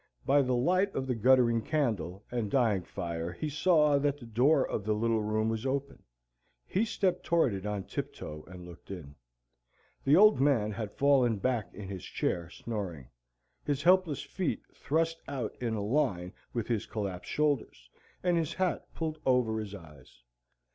By the light of the guttering candle and dying fire he saw that the door of the little room was open. He stepped toward it on tiptoe and looked in. The Old Man had fallen back in his chair, snoring, his helpless feet thrust out in a line with his collapsed shoulders, and his hat pulled over his eyes.